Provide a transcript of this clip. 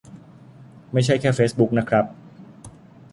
ไม่ใช่แค่เฟซบุ๊กนะครับ